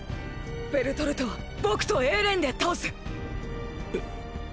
ベルトルトは僕とエレンで倒す！！